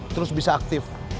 terus bisa aktif